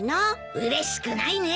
うれしくないね。